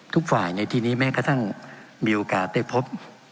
ทุกฝ่ายในทีนี้แม้กระทั่งมีโอกาสได้พบ